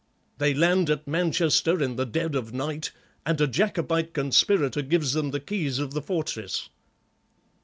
They land at Manchester in the dead of the night, and a Jacobite conspirator gives them the keys of the fortress."